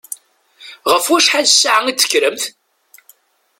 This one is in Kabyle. Ɣef wacḥal ssaɛa i d-tekkremt?